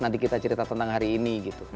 nanti kita cerita tentang hari ini gitu